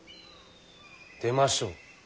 出ましょう。